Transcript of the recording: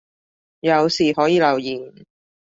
有事可以留言